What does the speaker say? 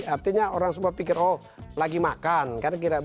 artinya orang semua pikir oh lagi makan kan